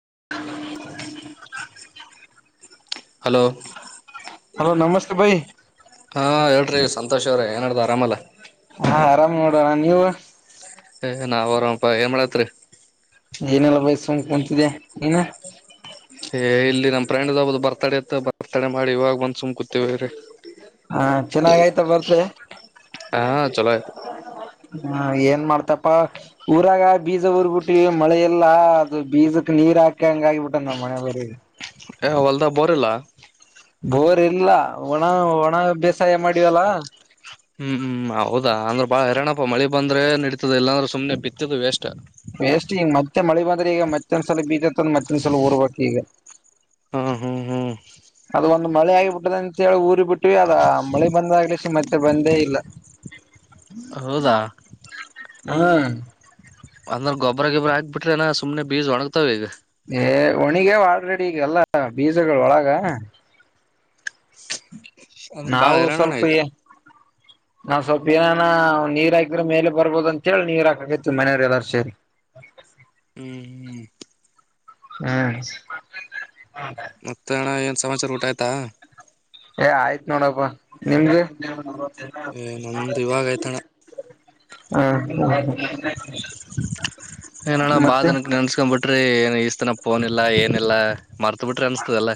[unintelligible] Hello hello ನಮಸ್ತೆ ಭೈ. ಹಾ ಹೇಳ್ರಿ ಸಂತೋಷ ಅವ್ರೆ ಏನ ನಡದ ಆರಾಮಲ್ಲ. ಹಾ ಆರಾಮ್ ನೋಡಣ್ಣ ನೀವು. ಏ ನಾವ್ ಅರಾಮಪಪ್ಪಾ ಏನ್ ಮಾಡತ್ರಿ. ಏನೆಲ್ಲ ಬೈ ಸುಮ್ನೆ ಕುಂತಿದೆ ನೀನು. ಏ ಇಲ್ಲಿ ನಮ್ಮ ಫ್ರೆಂಡ್ದು ಬರ್ತ್ ಡೇ ಇತ್ತು ಬರ್ತಡೆ ಮಾಡಿ ಇವಾಗ ಬಂದು ಸುಮ್ನೆ ಕುಂತಿವ್ರಿ. ಹಾ ಚಲೋ ಆಗೈತ ಬರ್ತಡೇ. ಹ ಚಲೋ ಆಯ್ತು. ಹಾ ಏನ್ ಮಾಡ್ತಪ್ಪ. ಊರಾಗ ಬೀಜ ಊರ್ಬಿಟ್ಟಿವಿ ಮಳೆ ಇಲ್ಲಾ ಅದು ಬೀಜಕ್ ನೀರ್ ಹಾಕಂಗ ಆಗಿಬಿಟ್ಟ ಅಂಗ ನಮ್ಮ ಹಣೆಬರ. ಹೊಲದಾಗಬೋರ ಇಲ್ಲಾ. ಬೋರ್ ಇಲ್ಲ ಒಣ ಒಣ ಬೇಸಾಯ ಮಾಡಿವಲ್ಲ. ಹ್ಮ್ ಹ್ಮ್ ಹೌದ ಅಂದ್ರೆ ಬಾಳ ಹೈರಣ್ಣಪ್ಪ ಮಳಿ ಬಂದ್ರೆ ನಡಿತದ ಇಲ್ಲಾಂದ್ರೆ ಸುಮ್ನೆ ಬಿತ್ತಿದ ವೆಸ್ಟ್. ವೇಸ್ಟ್ ಈಗ ಮತ್ತೆ ಮಳ ಬಂದ್ರ ಈಗ ಮತ್ತೊಂದ್ಸಲ ಬೀತತ್ತಂದ ಮತ್ತೊಂದ ಸಲ ಬೀಜ ಉರ್ಬೆಕ್ ಈಗ. ಹಾ ಹಾ ಹಾ ಅದ ಒಂದು ಮಳೆ ಆಗಿಬಿಟ್ಟದ ಅಂತ ಹೇಳಿ ಊರಿ ಬಿಟ್ಟಿವಿ ಅದ ಮಳೆ ಬಂದಾಗ್ಲಸಿ ಮತ್ತೆ ಬಂದೇ ಇಲ್ಲ. [inaudible] ಹೌದಾ ಹ್ಮ್ ಅಂದ್ರ ಗೋಬ್ರಾ ಗಿಬ್ರಾ ಆಗ್ಬಿಟ್ರೇನ ಸುಮ್ನೆ ಬೀಜ ಒಣಗ್ತಾವ ಈಗ. ಏ ಒನಿಗ್ಯಾವ ಆಲ್ರೆಡಿ ಈಗ ಎಲ್ಲ ಬೀಜಗಳು ಒಳಗ. ಅಂದ್ರ ಬಾಳ ನಾವು ಹೈರಾಣ ಅಣ್ಣ ಸ್ವಲ್ಪ ಈಗ ನಾವ್ ಸ್ವಲ್ಪ ಏನನ ನೀರ್ ಹಾಕಿದ್ರೆ ಮೇಲೆ ಬರ್ಬೋದ ಅಂತ ಹೇಳಿ ನೀರ್ ಹಾಕಕತಿವಿ ಮನೆಯವರು ಎಲ್ಲಾರು ಸೇರಿ. ಹ್ಮ ಹ್ಮ್ ಮತ್ತೆ ಅಣ್ಣ ಏನು ಸಮಾಚಾರ ಊಟ ಆಯ್ತಾ. ಏ ಆಯ್ತ್ ನೋಡಪ್ಪ ನಿಮ್ದ. ಏ ನಂದು ಇವಾಗ ಆಯ್ತಣ್ಣ [inaudible] ಏನಾ ಅಣ್ಣ ಬಾಳ ಮತ್ತೆ ದಿನಕ್ಕ ನೆನ್ಸ್ಕೊಂಡ್ ಬಿಟ್ಟಿ. ಇಸು ದಿನ ಫೋನ್ ಇಲ್ಲಾ ಏನಿಲ್ಲ ಮರ್ತು ಬಿಟ್ರಿ ಅನ್ಸುತ್ತೆ ಎಲ್ಲ.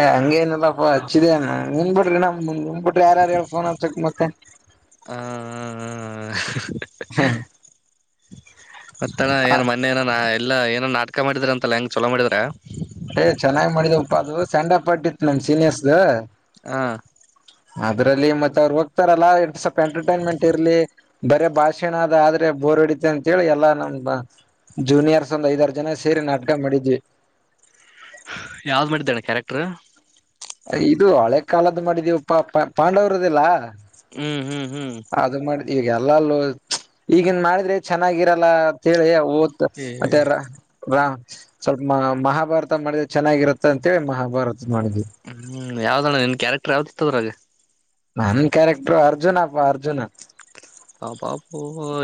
ಏ ಹಂಗ ನಿಲ್ಲಪ್ಪಾ ಹಚ್ಚಿದ ನಿನ್ ಬಿಟ್ರ ನಮ ನಿನ್ ಬಿಟ್ರಿ ಯಾರ ಹೇಳ್ ಫೋನ್ ಹಚ್ಚಕ್ ಮತ್ತೆ. ಹ ಹ ಹಾ ಮತ್ತ ಅಣ್ಣ ಮೊನ್ನೆ. ಮೊನ್ನೆ ಏನೋ ನಾಟಕ ಮಾಡಿದ್ರ ಅಲ್ಲ ಹೆಂಗ ಚಲೋ ಮಾಡಿದ್ರ. ಏ್ ಚೆನ್ನಾಗ್ ಮಾಡಿದ್ ಉಪ್ಪ ಅದು ಸ್ಯಾಂಡ್ಣ ಪಟ್ಟಿತ್ತು ನಮ್ ಸೀನಿಯರ್ಸ್ ಹಾ ಅದ್ರಲ್ಲಿ ಮತ್ತೆ ಅವ್ರು ಹೋಗ್ತಾರಲ್ಲಾ ಸ್ವಲ್ಪ ಎಂಟರ್ಟೈನ್ಮೆಂಟ್ ಇರ್ಲಿ ಬರ ಭಾಷೆನಾದ ಆದ್ರೆ ಬೋರ್ಡಿತ ಅಂತೇಳಿ ಎಲ್ಲಾ ನಮ ಜೂನಿಯರ್ಸ್ ಒಂದ್ ಐದಾರು ಜನ ಸೇರಿ ನಾಟಕ ಮಾಡಿದ್ವಿ ಯಾವ್ದ್ ಮಾಡಿದ್ದಣ್ಣ ಕ್ಯಾರೆಕ್ಟರ್ ಇದು ಹಳೆ ಕಾಲದ್ದು ಮಾಡಿದೀವಪ್ಪಾ ಪ ಪಾಂಡವರದ್ದಲ್ಲಾ ಹ್ಮ್ ಹ್ಮ್ ಹ್ಮ್ ಅದು ಮಾಡ ಈಗ ಎಲ್ಲಲ್ಲೂ ಈಗನ್ ಮಾಡಿದ್ರೆ ಚೆನ್ನಾಗಿರಲ್ಲಂತಿ ತ್ ಏ ಅತ್ತ [unintelligible] ರಾ ಸ್ವಲ್ಪ ಮ ಮಹಾಭಾರತ ಮಾಡಿದೆ ಚೆನ್ನಾಗಿರುತ್ತೆ ಅಂತೇಳಿ ಮಹಾಭಾರತ ಮಾಡಿದ ಹ್ಮ್ ಯಾವ್ದಣ್ಣ ನಿನ್ ಕ್ಯಾರೆಕ್ಟರ್ ಯಾವ್ದತಿತ್ತದ್ರಾಗ ನನ್ ಕ್ಯಾರೆಕ್ಟರ್ ಅರ್ಜುನಪ್ಪ ಅರ್ಜುನ ಆ ಬಾಪು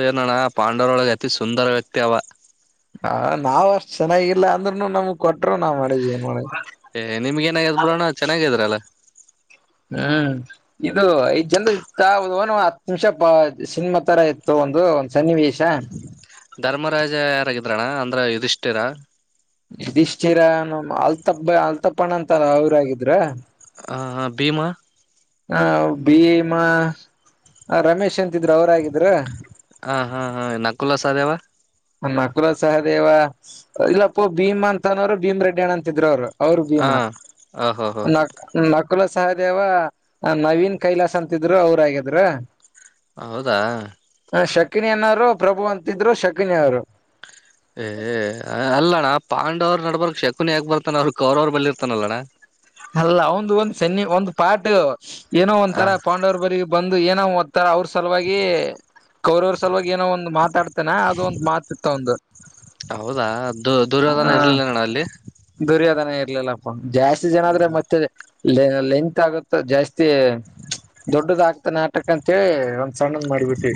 ಏನಣ್ಣ ಪಾಂಡವರೊಳಗೆ ಅತಿ ಸುಂದರ ವ್ಯಕ್ತಿ ಅವ ಹ ನಾವ್ ಅಷ್ಟ್ ಚೆನ್ನಾಗಿಲ್ಲ ಅಂದ್ರುನು ನಮ್ಗ್ ಕೊಟ್ಟರು ನಾವ್ ಮಾಡಿದ್ ಏನ್ ಮಾಡ ಏ್ಮಗ ಏನಾಗಾದ್ ಬಿಡೋಣ ಚೆನ್ನಾಗಿದ್ರಲ್ಲಾ ಹ್ಮ್ ಇದು ಐ ಜನ ಇ ಒನ್ ಹತ್ತು ನಿಮಿಷ ಸಿನಿಮಾ ತರ ಇತ್ತು ಒಂದು ಒಂದು ಸನ್ನಿವೇಶ ಧರ್ಮರಾಜ ಯಾರಾಗಿದ್ರಣ್ಣ ಅಂದ್ರ ಯಧಿಷ್ಟಿರ ಇದಿಷ್ಟೀರ ನ ಅಲ್ತಬ್ಬ ಅಲ್ತಪ್ಪಣ್ಣ ಅಂತಾರ ಅವ್ರಗಿದ್ರ ಹ ಹಾ ಭೀಮಾ ಹ ಭೀಮ ರಮೇಶ್ ಅಂತಿದ್ರು ಅವರಗಿದ್ರ ಹ ಹಾ ಹಾ ನಕುಲ ಸಾದೇವ್ ನಕುಲ ಸಹದೇವ ಇಲ್ಲಪ್ಪೋ ಭೀಮ್ ಅಂತನೋರು ಭೀಮ ರೆಡ್ಡಿ ಅಣ್ಣ ಅಂತಿದ್ರು ಅವ್ರು ಅವರು ಹಾ ಭೀಮಾ ಓಹೋ ಹೋ ನ ನಕುಲ ಸಹದೇವ ನವೀನ್ ಕೈಲಾಸ್ ಅಂತಿದ್ರು ಅವ್ರ ಆಗಿದ್ ಹೌದಾ ಹ ಶಕಿನಿ ಅನ್ನವ್ರು ಪ್ರಭು ಅಂತಿದ್ರು ಶಕಿನಿಯ್ರು ಏ ಅಲ್ಲ ಅಣ್ಣ ಪಾಂಡವ್ರು ನಡಬರಕ್ ಶಕುನ್ ಯಾಕೆ ಬರ್ತಾನೆ ಅವ್ರ ಕ್ರವರು ಬಲ್ಲಿರ್ತಾನಲ್ಲಣ್ಣ ಅಲ್ಲ ಒಂದು ಒಂದ್ ಸನಿ ಒಂದು ಪಾಟ್ ಏನೋ ಹ ಒಂಥರ ಪಾಂಡವರ್ ಬಗ ಬಂದು ಏನೋ ತರ ಅವ್ರ ಸಲುವಾಗಿ ಕೌರವ್ರ ಸಲುವಾಗಿ ಏನೋ ಒಂದ್ ಮಾತಾಡ್ತೇನಾ ಅದು ಒಂದು ಮಾತತಿತ್ತ ಒಂದು ಹೌದು ದುರ್ಯೋನ ಹ ಇರ್ಲಿಲ್ಲ ಅಲ್ಲಿ ದುರ್ಯೋಧನ ಇರ್ಲಿಲ್ಲಪ್ಪ ಜಾಸ್ತಿ ಜನ ಆದ್ರೆ ಮತ್ತೆ ಲಿಂಕ್ ಆಗುತ್ತೆ ಜಾಸ್ತಿ ದೊಡ್ಡದಗ್ತ ನಾಟಕ ಅಂತೇಳಿ ಸಣ್ಣದ ಮಾಡಬಿಟ್ಟಿ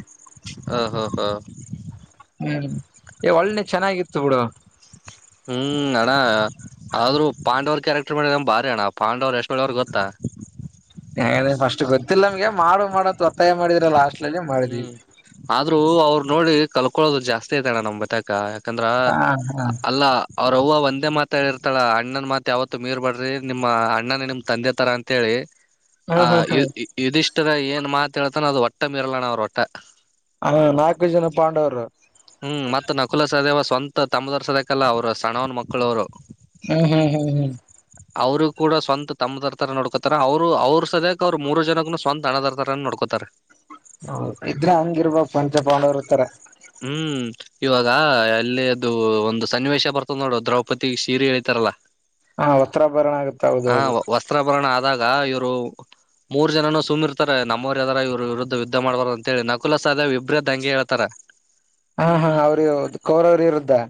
ಹ ಹ ಹ ಹ್ಮ್ ಒಳ್ಳನೆ ಚೆನ್ನಾಗಿತ್ತು ಬಿುಡು ಹ್ಮ್ ಅಣ್ಣಾ ಆದ್ರರು ಪಾಂಡವ್ರ ಕ್ಯಾರೆಕ್ಟರ್ ಮಾಡಿದ ನಗೆ ಭಾರಿ ಅಣ್ಣ ಪಾಂಡವ್ ಎಷ್ಟುಯವ್ ಗೊಾ ಹ ಫಸ್ಟ್ ಗೊತ್ತಿಲ್ಲ ನಮ್ಗೆ ಮಾಡು ಮಾಡತ್ ಒತ್ತಾಯ ಮಾಡಿದ್ರ ಲಾಸ್ಟ್ ಹ್ಮ್ ಆದ್ರೂ ಅವರು ನೋಡಿ ಕಲ್ಕೊಳೋದು ಜಾಸ್ತಿ ಐತೆ ಅಣ್ಣ ನಮ್ ಬತಾಕ ಯಾ ಯಾಕಂದ್ರೆ ಹಾ ಹಾ ಅಲ್ಲ ಅವ್ರ ಅವವ ಒಂದೇ ಮಾತ ಹೇಳಿರ್ತಾಳ ಅಣ್ಣನನ್ ಮಾತ್ ಯಾವತ್ತು ಮೀರ್ ಬಡ್ರಿ ನಿಮ್ಮ ಅಣ್ಣನೇ ನಿಮ್ ತಂದೆ ತರ ಅಂತ ಹೇಳಿ [inaudible] ಆ ಹ್ಮ್ ಇದಿಷ್ಟರ ಏನ್ ಮಾತ ಹೇಳ್ತಾನೋ ಅದು ಒಟ್ಟ ಮೀರಲಣ ಅವ್ರ ಒಟ್ಟ ಹ ನಾಲ್ಕು ಜನ ಪಾಂಡವರು ಹ್ಮ್ ಮತ್ತತ್ ನಕುಲ ಸದೇವ ಸ್ವಂತ ತಮ್ಮದವರ್ ಸದಕಲ್ಲ ಅವ್ರು ಸಣ್ಣವನ ಮಕ್ಳುವ್ರು ಹ್ಮ್ ಹ್ಮ್ ಹ್ಮ್ ಹ್ಮ್ ಅವ್ರರು ಕೂಡ ಸ್ವಂತ ತಮ್ಮ ದರ್ ತರ ನೋಡ್ಕೋತಾರ ಅವ್ರು ಅವ್ರರು ಸದ್ಯಕ ಅವರು ಮೂರು ಜನಗನು ಸ್ವಂತ ಹಣದರ್ತ ನೋಡ್ಕೋತಾರೆ ಹ ಇದ್ರ ಹಂಗಿರ್ಬಕ್ ಪಂಚ ಪಾಂಡವರುರ್ತರ ಹ್ಮ್ ಇವಾಗ ಅಲ್ಲಿ ಅದು ಒಂದು ಸನ್ನಿವೇಶ ಬರ್ತದ ನೋಡು ದ್ರೌಪದಿ ಶೀರೆ ಹೇಳ್ತಾರಲ್ಲಾ ಹಾ ಒತ್ತತ್ರಾ ಬರಣ ಆಗುತ್ತ ಹೌದ ಹೌದು ಚಿತ್ರಾಭರಣ ಆದಾಗ ಇವರು ಮೂರ್ ಜನನು ಸುಮ್ಮಿರ್ತಾರೆ ನಮ್ಮ್ರು ಯ್ದಾರ ಇವ್ರರು ವಿರುದ್ಧ ಯುದ್ಧ ಮಾಡಬಾರ ಅಂತ ಹೇಳಿ ನಕುಲ ಸಾ ಅ ವಿಭ್ರದ್ ಹಂಗೆ ಹೇಳ್ತಾರೆ ಹಾ ಹಾ ಅವ್ರ ಕೌರವ್ರ ಇರುದ್ದಾ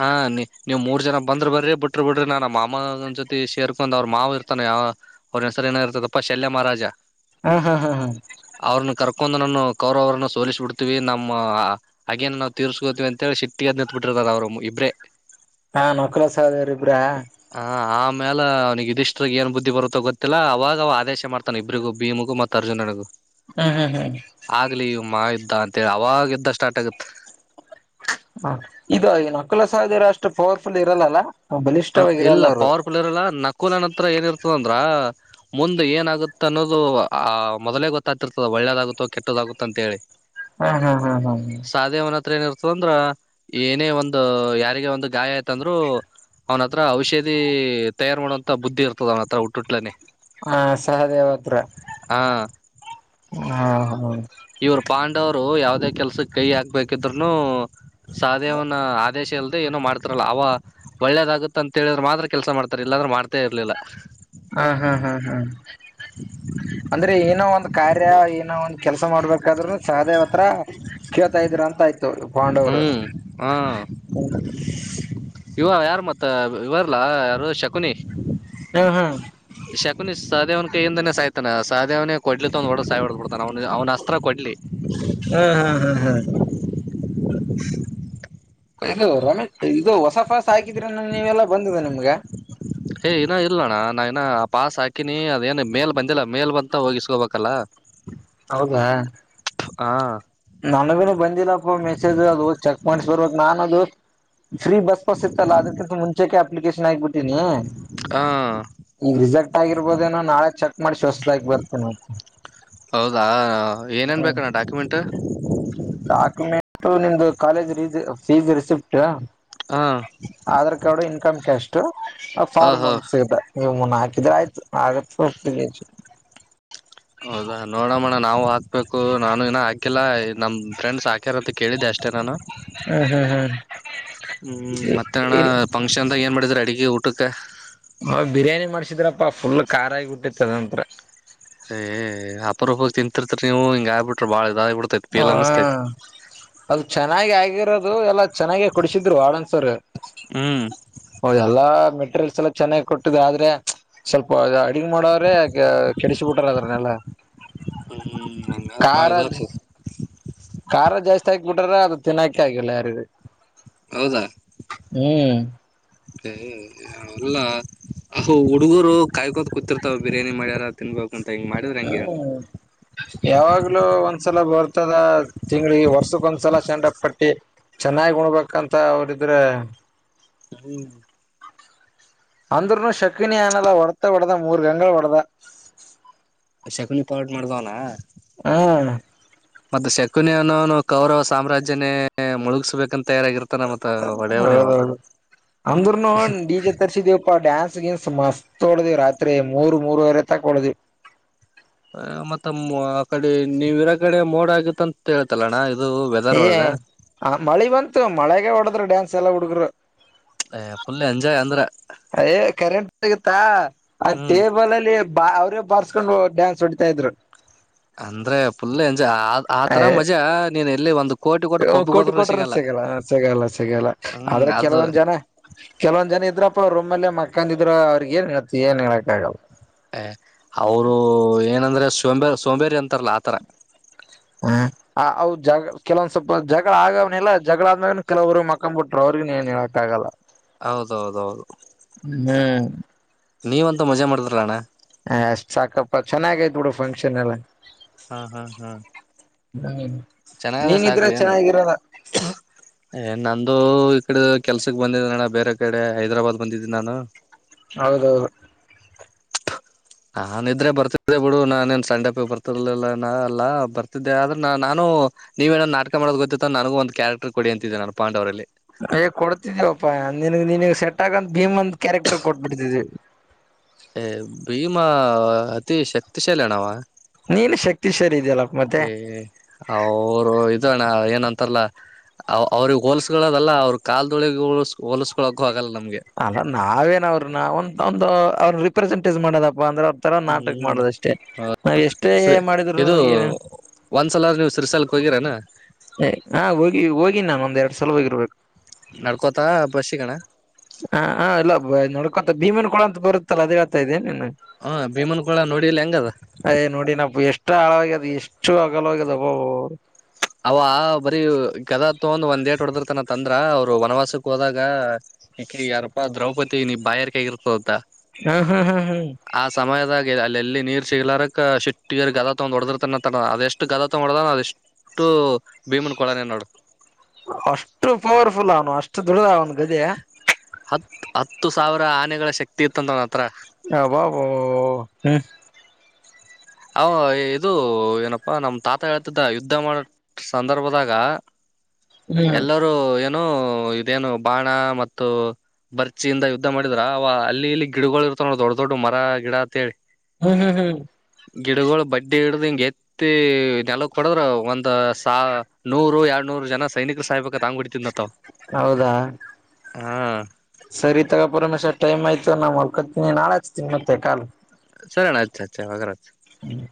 ಹಾ ನೀ ನೀವ್ ಮೂರ್ ಜನ ಬಂದ್ರ ಬರ್ರಿ ಬಿಟ್ರಿ ಬಿಡ್ರಿ ನಾ ಮಾಮನ್ ಜೊತೆ ಸೇರ್ಕೊಂಡ್ ಅವ್ರ ಮಾವ ಇರ್ತಾನ ಯಾವ ಅವ್ರ ಹೆಸರು ಏನಾಗಿರ್ತತ್ತಪ್ಪ ಶಲ್ಯ ಮಾರಾಜ ಹಾ ಹಾ ಹಾ ಹಾ ಅವ್ರನ್ನ ಕರ್ಕೊಂಡು ನಾನು ಕೌರವರನ್ನ ಸೋಲಿಸ್ಬಿಡ್ತೀವಿ ನಮ್ಮ ಹಾಗೇನ್ ನಾವು ತಿರ್ಸಿಗೋತೀವಿ ಅಂತ ಹೇಳಿ ಸಿಟ್ಟಿಗೆದ್ದು ನಿಂತುಬುಟ್ರು ಅವರ ಇಬ್ರೇ ಹಾ ನಕಲ ಸದರಿಬ್ರಾ ಹ ಆಮೇಲೆ ಅವನಿಗೆ ಇದಿಷ್ಟ್ರಗ್ ಏನ್ ಬುದ್ಧಿ ಬರುತ್ತೋ ಗೊತ್ತಿಲ್ಲ ಅವಾಗ ಅವ ಆದೇಶ ಮಾಡ್ತ ಇಬ್ಬರಿಗೂ ಭೀಮಿಗು ಮತ್ತು ಅರ್ಜುನರಿಗೂ ಹ ಹ ಆಗ್ಲಿ ಇ ಮಾ ಇದ್ದ ಅಂತೇಳಿ ಅವಾಗ ಇದ್ದ ಸ್ಟಾರ್ಟ್ ಆಗುತ್ತ ಹ ಇದು ನಕ್ಕಲ ಸಹೋದರ ಅಷ್ಟು ಪವರ್ಫುಲ್ ಇರಲ್ಲಲ್ಲ ಹ ಬಲಿಷ್ಠವಾಗಿ ಇರಲ್ಲ ಇಲ್ಲ ಅವರು ಪವರ್ಫುಲ್ ಇರಲ್ಲ ನಕುಲನ್ ಹತ್ರ ಏನಿರ್ತದಂದ್ರ ಮುಂದೆ ಏನಾಗುತ್ತೆ ಅನ್ನೋದು ಆ ಮೊದಲೇ ಗೊತ್ತಾಗ್ತಿರ್ತದ ಒಳ್ಳೇದಾಗುತ್ತೋ ಕೆಟ್ಟದಾಗುತ್ತ ಅಂತ ಹೇಳಿ ಹಾ ಹಾ ಹಾ ಹಾ ಸಾಧೇವ ಅವನ ಹತ್ರ ಏನಿ ಸಂದ್ರ ಏನೇ ಒಂದು ಯಾರಿಗೆ ಒಂದು ಗಾಯ ಆಯ್ತಂದ್ರು ಅವ್ನ ಹತ್ರ ಔಷಧಿ ತಯಾರು ಮಾಡೋುವಂತ ಬುದ್ಧಿ ಇರ್ತದ ಅವನ ಹತ್ರ ಹುಟ್ಟುಟ್ಲನನೆ ಹಾ ಸಹ ದೇವತ್ರ ಹಾ ಹ ಇವರು ಪಾಂಡವ್ರು ಯಾವದೇ ಕೆಲ್ಸಕ್ ಕೈ ಹಾಕ್ಬೇಕಿದ್ರುನು ಸಹಧೇವನ ಆದೇಶ ಅಲ್ದೆ ಏನೋ ಮಾಡ್ತಾರ ಅವ ಒಳ್ಳೇದಾಗುತ್ತ ಅಂತೇಳಿದ್ರೆ ಮಾತ್ರ ಕೆಲ್ಸ ಮಾಡ್ತಾರೆ ಇಲ್ಲಾಂದ್ರೆ ಮಾಡ್ತೇ ಇರ್ಲಿಲ್ಲ ಹಾ ಹಾ ಹಾ ಹಾ ಅಂದ್ರೆ ಏನೋ ಒಂದ್ ಕಾರ್ಯ ಏನೋ ಒಂದ್ ಕೆಲ್ಸ ಮಾಡ್ಬೇಕಾದ್ರು ಸಹದೇವ್ತ್ರ ಕೇಳ್ತಾ ಇದ್ರ ಅಂತ ಆಯತು ಹ್ಮ್ ಹಾ ಹ್ಮ ಇವ ಯಾರು ಮತ್ತ ಇವರ್ಲ್ಲ ಯಾರು ಶಕುನಿ ಹ್ಮ ಹ್ಮ ಶಕುನಿ ಸಹೇವನ ಕೈಯಿಂದನೇ ಸಾಯ್ತಾನ ಸಹದೇವನೇ ಕೊಡ್ಲಿ ತ ಒಂದ್ ಒಡ ಸಾಯ್ ಹೊಡಡ್ ಬಿಡ್ತಾನ ಅವ್ನು ಅವನ ಅಸ್ತ್ರ ಕೊಡ್ಲಿ ಹ್ಮ್ ಹ್ಮ್ ಹ್ಮ್ ಹ್ಮ್ ಇದು ರಮೇಶ್ ಇದು ಹೊಸ ಪಫಸ ಹಾಕಿದ್ರ ನ ನೀವೆಲ್ಲಾ ಬಂದಿದೆ ನಿಮ್ಗ ಹ ಏ ಹೀನ ಇಲ್ಲ ಅಣ್ಣ ನಾ ಇನ್ನ ಪಾಸ್ ಹಾಕಿನಿ ಅದೇನು ಮೇಲ್ ಬಂದಿಲ್ಲ ಮೇಲ್ ಬಂತ ಹೋಗಿಸ್ಕೋಬೇಕಲ್ಲ [inaudible] ಹೌದಾ ಹಾ ನನಗನು ಬಂದಿಲ್ಲಪ್ಪ ಮೆಸೇಜ್ ಅದು ಚೆಕ್ ಮಾಡ್ಸ ಬರ್ಬೇಕ ನಾನು ಅದು ಫ್ರೀ ಬಸ್ ಪಾಸ್ ಇತ್ತಲ್ಲ ಅದಕ್ಕಿಂತ ಮುಂಚೆಕೆ ಅಪ್ಲಿಕೇಶನ್ ಆಗ್ಬಿಟ್ಟೀನಿ ಹ ಈಗ ರಿಸಕ್ಟ್ ಆಗಿರ್ಬೋದೇನೋ ನಾಳೆ ಚೆಕ್ ಮಾಡಿ ಶ ಹೊಸತದಾಗಿ ಬರ್ತೇನ ಮ ಬಾ ಏನೇನ್ ಬೇಕ ನ ಹುತ್ತ ಡಾಕ್ಯುಮೆಂಟ್ ನಿಮ್ದು ಕಾಲೇಜ್ ರ ಫೀಸ್ ರಿಸಿಪ್ಟ ಹಾಂ ಆಧಾರ್ ಕಾರ್ಡ್ ಇನ್ಕಮ್ ಕ್ಯಾಸ್ಟ್ ಹ ಫಾರ್ಮ್ ಹ ಒಂದ ಸಿುತ್ತ ಇವು ಮುನ್ನ ಹಾಕಿದ್ರೆ ಆಯ್ತು [inaudible] ಹೌದಾ ನೋಡೋಣ್ಣ ನಾವು ಆ ಹ ಬಬೇಕು ನಾನು ಇನ ಹಾಕಿಲ್ಲ ನಮ್ಮ ಫ್ರೆಂಡ್ಸ್ ಹಾಕ್ಯಾರ ಅಂತ ಕೇಳಿದ್ದೆ ಅಷ್ಟೇ ನಾನು ಹಾ ಹಾ ಹಾ ಹ್ಮ್ ಮತ್ತೆ ಅಣ್ಣ ಇಲ್ಲ ಫಂಕ್ಷನ್ದಾಗ ಏನ್ ಮಾಡಿದ್ರ ಅಡಗೆ ಊಟಕ್ಕೆ ಹ ಬಿರಿಯಾನಿ ಮಾಡ್ಸಿದ್ರಪ್ಪ ಫುಲ್ ಖಾರಾಗಿಬ ಬಿಟ್ಟಿದಂತ್ರ ಏ ಅಪರೂಪ ತಿಂತಿರ್ರಿ ನೀವು ಹಿಂಗ ಆಗಬ ಬಿರ ಬಾಳ ಇದ ಆಗ್ ಬಿಡ್ತೇತಿ ಹ್ಮ ಅದು ಚೆನ್ನಾಗಿ ಆಗಿರೋದು ಎಲ್ಲ ಚೆನ್ನಾಗ ಕುಡಿಸಿದ್ರು ವಾಡನ್ಸರ್ ಹ್ಮ್ ಹೌ ಎಲ್ಲಾ ಮೆಟೀರಿಯಲ್ಸ್ ಎಲ್ಲ ಚೆನ್ನಾಗ್ ಕೊಟ್ಟಿದೆ ಆದ್ರೆ ಸ್ವಲ್ಪ ಅಡ್ಗ್ ಮಾಡವ್ರೆ ಕೆಡಿಸ ಬಿಟ್ಟಾರ ಅದ್ರನ್ನೆಲ್ಲ ಹ್ಮ್ ನಂಗ ಬಾಳೆದ ಖಾರ ಆಗ್ತದೆ ಖಾರ ಜಾಸ್ತಿ ಆಕ್ಬ ಬಿಟ್ರ ಅದು ತಿನ್ನಾಕೆ ಆಗಿಲ್ಲ ಯಾರು ಹೌದಾ ಹ್ಮ್ ಅಲ್ಲ ಹಾವು ಹುಡುಗರು ಕಾಯ್ಕೊಂತ ಕುೂತಿರ್ತಾವ ಬಿರಿಯಾನಿ ಮಾಡ್ಯಾರ ತಿನ್ಬೇಕು ಅಂತ ಹಿಂಗ ಮಾಡಿ ಹ್ಮ ಯಾವಾಗ್ಲೂ ಒಂದ್ಸಲ ಬರ್ತದ ತಿಂಗಳಿಗೆ ವರ್ಷಕ್ ಒಂದ್ಸಲ ಸೆಂಡಪ್ ಪಟ್ಟಿ ಚೆನ್ನಾಗಿ ಉಣಬೇಕಂತ ಅವ್ರಿದ್ರೆ ಹ್ಮ ಅಂದ್ರರುನು ಶಕನಿ ಅನಲ್ಲ ಹೊಡತ ಹೊಡದ ಮೂರ್ ಗಂಗಳ ಹೊಡ್ದ ಶಕುನಿ ಪರಟ್ ಮಾಡ್ದವನ ಹಾ ಮತ್ತ ಶಕುನಿಯ ಅನ್ನೋನು ಕೌರವ ಸಾಮ್ರಾಜ್ಯನೇ ಮುಳುಗಸ್ಬೇಕಂತ ತಯಾರಾಗಿರ್ತಾನ ಮತ್ತ ಒಡೆಯವನೇವ ಹೌದೌದು ಅಂದ್ರ ನೋಡಿಜ ತರಿಸಿದೀವಪ್ಪಾ ಡ್ಯಾನ್ಸ್ ಗಿನ್ಸ್ ಮಸ್ತ್ ಹೊಳ್ದೇ ರಾತ್ರಿ ಮೂರು ಮೂರವರೆ ತಕ ಹೊಳ್ದ್ ಮತ್ತ ಆ ಕಡೆ ನೀವವಿರ ಕಡೆ ಮೋಡ ಆಗತ್ತ ಅಂತ ಹೇಳೇತಲ್ಲಣ್ಣ ಏ ಮಳಿ ಬಂತು ಮಳೆಗೆ ಹೊಡದ್ರ ಡ್ಯಾನ್ಸ್ ಎಲ್ಲಾ ಹುಡುಗರು ಫುಲ್ ಎಂಜಾಯ್ ಅಂದ್ರೆ ಅಯ ಕರೆಂಟ್ ಆಗುತ್ತಾ ಆ ಹ್ಮ್ ಟೇಬಲ ಅಲ್ಲಿ ಬಾ ಅವ್ರೇ ಬಾರ್ಸ್ಕೊಂಡ್ ಡ್ಯಾನ್ಸ್ ಹೊಡಿತಾ ಇದ್ರು ಅಂದ್ರೆ ಪುಲ್ ಎಂಜ ಆ ಆತರ ಏ ಮಜಾ ನೀನ್ ಎಲ್ಲಿ ಒಂದ್ ಕೋಟಿ ಕೊಟ್ಟ ಪಬ್ಬು ಕೋಟಿ ಹೋದರು ಕೊಟ್ರ ಸಿಗಲ್ಲ ಸಿಗಲ್ಲ ಸಿಗಲ್ಲ ಹ್ಮ್ ಆದ್ರೆ ಅದು ಕೆಲವೊಂದ್ ಜನ ಕೆಲವೊ ಜನ ಇದ್ರಪ್ಪ ರೂಮಲ್ಲೆ ಮಕ್ಕಂದ ಇದ್ರು ಅವ್ರಗ ಏನ್ ಹೇಳ್ತಿ ಏನ್ ಹೇಳಕ್ ಆಗಲ್ಲ. ಹೆ ಅವರು ಏನಂದ್ರೆ ಸೋಂಬೇರ್ ಸೋಂಬೇರಿ ಅಂತಾರಲ್ಲ ಆತರ. ಹು. ಆ ಅವ್ ಜಾಗ ಕೆಲೊಂದ್ ಸ್ವಪ ಜಗಳ ಆಗವ್ ಎಲ್ಲ ಜಗಳ ಆದ್ಮಾಗಲ್ಲಾ ಕೆಲವರು ಮಕ್ಕೊಂಡ್ ಬಿಟ್ರು ಅವ್ರಗ ಏನ್ ಹೇಳ. ತಾಗಲ್ಲಾ. ಹೌದ ಹೌದ ಹೌದು. ಹು. ನೀವಂತ ಮಜಾ ಮಾಡಿದ್ರ ಅಣ್ಣ. ಹೆ ಸಾಕಪ್ಪ ಚೆನ್ನಾಗಿತ್ ಬಿಡು ಫಂಕ್ಷನ್ ಎಲ್ಲ. ಹಾ ಹಾ ಹಾ. ಹು ಚೆನ್ನಾಗದ ನೀವು ಸಾಕು ಇದ್ರೆ ಏನು ಚೆನ್ನಾಗಿರೋದು. ಏ ನಂದು ಈ ಕಡೆ ಕೆಲ್ಸಕ್ ಬಂದಿದ್ದ ನಣ ಬೇರೆ ಕಡೆ ಹೈದ್ರಾಬಾದ್ ಬಂದಿದ್ದೀನಿ ನಾನು. ಹೌದು ದೌದು. ನಾನಿದ್ರೆ ಬರ್ತಿದ್ದೆ ಬಿಡು ನಾನೇನ್ ಸಂಡೆಪ್ಪಿ ಬರ್ತಿರ್ಲಿಲ್ಲ ಅಲ್ಲಾ ಬರ್ತಿದ್ದೆ ಆದ್ರೆ ನಾ ನಾನು. ನೀವೇನೋ ನಾಕ ಮಾಡೋ ಗೊತ್ತತ್ತು ನನಗ ಒಂದು ಕ್ಯಾರೆಕ್ರ್ ಕೊಡಿ ಅಂತಿದ್ದಿದೆ ನಾನು ಪಾಂಡವರಲ್ಲಿ. ಯ ಕೊಡ್ತಿದಿವಪ್ಪಾ ನಿನಗ್ ನಿನಗ್ ಸೆಟ್ ಆಗಂತ ಭೀಮಂದ ಕ್ಯಾರೆಕ್ಟರ್ ಕೊಟ್ಬಿಡ್ತಿದ್ವಿ. ಏ ಭೀಮಾ ಅತಿ ಶಕ್ತಿಶಾಲಿ ಅಣ್ಣಾ ಅವಾ. ನೀನು ಶಕ್ತಿ ಶಾಲಿ ಇದೆಯಲ್ಲ ಮತ್ತೆ. ಏ ಅವರು ಇದ ಅಣ್ಣ ಏನಂತಲ್ಲ. ಅವ್ರಿಗೆ ಹೋಲಸಗಳದ ಅಲ್ಲ ಅವ್ರು ಕಾಲ್ದೊಳಿ ಹೋಲ್ಸ ಹೋಲಸ್ಕೊಕ ಆಗಲ್ಲ ನಮ್ಗೆ. ಅಲ್ಲ ನಾವೇನ್ ಅವ್ರನ್ನ ಒಂದ ಅವ್ರರು ರಿಪ್ರೆಸೆಂಟೇಜ ಮಾಡದಪ್ಪ ಅಂದ್ರೆ. ತರ ನಾಟಕ ಹ್ಮ್ ಮಾಡೋದಷ್ಟೇ ನಾ ಎಷ್ಟೇ ಏನ್ ಮಾಡಿದ್ರು ಏನು. ಒಂದ್ಸಲಾದ್ರ ನೀವು ಶ್ರೀಶೈಲಕ್ಕೆ ಹೋಗಿರೆನ. ಏ ಹಾ ಹೋಗಿ ಹೋಗಿ ನಾನ್ ಒಂದ್ ಎರಡ್ ಸಲ ಹೋಗಿರ್ಬೇಕು. ನಡ್ಕೋತಾ ಬಸ್ಸಿಗೆ ಅಣ್ಣಾ. ಹಾ ಹಾ ಇಲ್ಲ ನೋಡ್ಕೊತ ಭೀಮನ್ ಕೊಳಂತ ಬರುತ್ತಲ್ಲ ಅದೇ ಹೇಳ್ತಾ ಇದೇ ಏನ್ ನೀನ್. ಹ ಭೀಮನ್ ಕೊಳಾ ನೋಡಿಲ್ಲ ಹೆಂಗದ. ಅಯ್ ನೋಡಿ ನಾ ಎಷ್ಟು ಆಳವಾಗ ಅದ್ ಎಷ್ಟು ಹಗಲೋಗ್ಯದ ಬೊವು. ಅವ ಬರೀ ಗದಾ ತಗೊಂಡ ಒಂದ್ ಏಟ ಹೊಡದಿರ್ತಾನಂತ ತಂದ್ರ ಅವ್ರ ವನವಾಸಕ. ಹೋದಾಗ ಇಕಿ ಯಾರಪ್ಪಾ ದ್ರೌಪದಿ ನೀ ಬಾಯರ್ಕೆ ಆಗಿರ್ತದಂತ. ಹು ಹು ಹು ಹು. ಆ ಸಮಯದಾಗ ಅಲ್ಲೆಲ್ಲಿ ನೀರ್ ಸಿಗ್ಲಾರಕ್ ಶಿಟ್ಟಿಗೆದ ತೊಗೊಂಡ ಹೊಡದ್ರ ತನ ಅದೆಷ್ಟು ಗದ ತಗೊಂಡ ಹೊಡದಾನ ಅಷ್ಟ್. ಟ್ಟು ಭೀಮನ್ ಕೊಳನೆ ನೋಡು. ಅಷ್ಟು ಪವರ್ಫುಲ್ ಅವನು ಅಷ್ಟು ದೊಡ್ಡದ ಡುಡದ. ಹತ್ ಹತ್ತು ಸಾವಿರ ಆನೆಗಳ ಶಕ್ತಿ ಇತ್ತಂತ ಅವನ್ ಹತ್ರ. ಅಬಾಬಾಬಾ ಹು. ಅವ ಇದು ಏನಪ್ಪಾ ನಮ್ಮ ತಾತ ಹೇಳ್ತಿದ್ದ ಯುದ್ಧ ಮಾಡ ಸಂದರ್ಭದಾಗ. ಹ್ಮ್ ಎಲ್ಲರೂ ಏನು ಇದೇನು ಬಾಣ ಮತ್ತು ಬರ್ಚಿಯಿಂದ ಯುದ್ಧ ಮಾಡಿದ್ರ ಅವ ಅಲ್ಲಿ ಇಲ್ಲಿ ಗಿಡಗಳು ಇರ್ತಾವಾನೋಡ ದೊಡ್ಡ ದೊಡ್ಡ ಮರ ಗಿಡ ಅಂತೇಳಿ. ಹು ಹು ಹು. ಗಿಡುಗುಳ ಬಡ್ಡಿ ಹಿಡದ ಹಿಂಗ ಎತ್ತಿ. ತ್ತಿ ನೆಲಕ್ಕ ಕೊಡದ್ರ ಒಂದ್ ಸಾ ನೂರು ಎರಡ್ ನೂರು ಜನ ಸೈನಿಕರು ಸಾಯಬೇಕಂತ ಹಂಗ ಹೊಡಿ. ತ್ತಿದ್ನಂತವ. ಹೌದಾ. ಹಾ ಸರಿ [unintelligible] ರಮೇಶ್ ಟಮ್ ಆಯ್ತು [unintelligible] ನಾನ್ ಮಲ್ಕೋತೀನಿ ನಾಳ ಹಚ್ತೀನ ಮತ್ತೆ [unintelligible] ಸರಿ ಅಣ್ಣ ಆಯ್ತ್ [unintelligible] ಹ್ಮ್